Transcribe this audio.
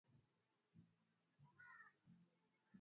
Biashara imefanya historia yake kwa maelfu ya miaka